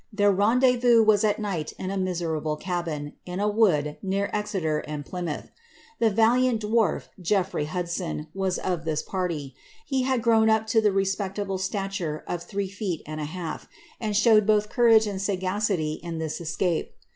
* Their rendezvous was at night in a niserable cabin, in a wood between Exeter and Plymouth. The valiant Ivarf, Creofiry Hudson, was of this party; he had grown up to the etpectable stature of three feet and a half, and showed both courage lod sagacity in this escape.